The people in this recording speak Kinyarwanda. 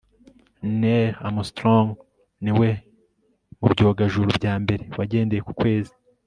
Neil Armstrong ni we mu byogajuru bya mbere wagendeye ku kwezi